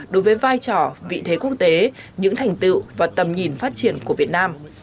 đối với vai trò vị thế quốc tế những thành tựu và tầm nhìn phát triển của việt nam